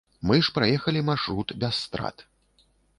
Мы ж праехалі маршрут без страт.